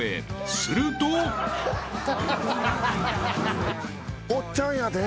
［すると］おっちゃんやで。